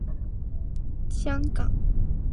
香港电影金像奖为香港电影业的一大盛事。